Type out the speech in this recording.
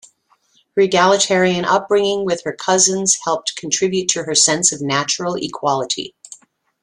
Her egalitarian upbringing with her cousins helped contribute to her sense of natural equality.